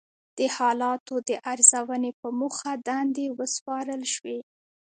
د حالاتو د ارزونې په موخه دندې وسپارل شوې.